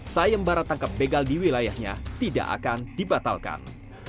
sayembarat tangkap begal di wilayahnya tidak akan dibatalkan